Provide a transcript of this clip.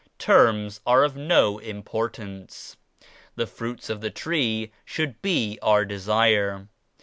Terms are of no im portance. The Fruits of the Tree should be our desire.